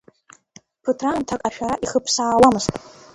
Ԥыҭраамҭак ашәара ихыԥсаауамызт.